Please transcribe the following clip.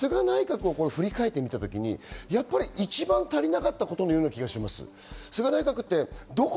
菅内閣を振り返ってみた時に、やっぱり１番足りなかったことのような気がします。